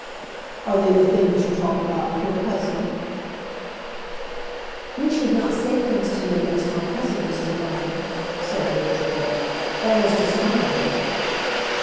"Are they the things you talk about with your cousin?" "You should not say things to me against my cousin, Mr. Brand," said Gertrude. "That is dishonorable."